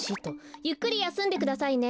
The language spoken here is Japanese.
ゆっくりやすんでくださいね。